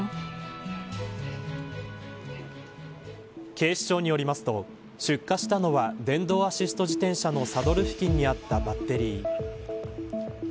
警視庁によりますと出火したのは電動アシスト自転車のサドル付近にあったバッテリー。